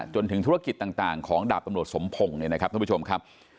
จนถึงธุรกิจต่างของดาบตำรวจสมพงศ์เนี่ยนะครับท่านผู้ชมครับ